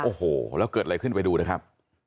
โอ้โหแล้วเกิดอะไรขึ้นไปดูนะครับ